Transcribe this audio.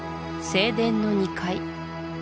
正殿の二階